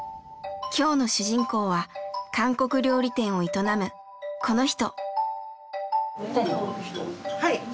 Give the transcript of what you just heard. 今日の主人公は韓国料理店を営むこの人。